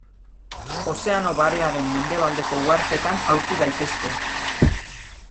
Ozeano Barearen mendebaldeko uhartetan aurki daitezke.